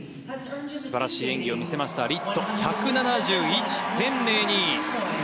素晴らしい演技を見せましたリッツォ、１７１．０２。